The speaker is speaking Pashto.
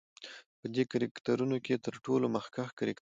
په دې کرکترونو کې تر ټولو مخکښ کرکتر